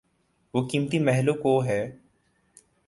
وہ قیمتی محل وقوع ہے۔